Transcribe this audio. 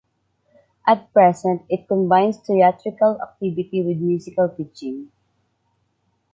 At present, it combines theatrical activity with musical teaching.